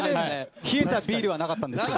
冷えたビールはなかったんですけど。